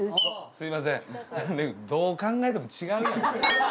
すいませんどう考えても違うやん。